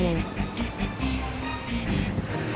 gue percaya sama ibu